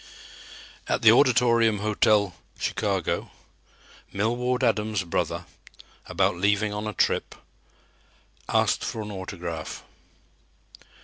At the Auditorium hotel, Chicago, Millward Adams' brother, about leaving on a trip, asked for an autograph.